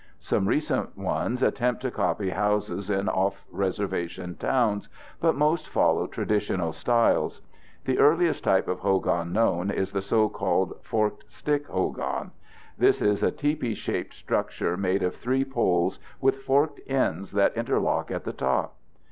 Some recent ones attempt to copy houses in off reservation towns, but most follow traditional styles. The earliest type of hogan known is the so called "forked stick" hogan. This is a tipi shaped structure made of three poles with forked ends that interlock at the top.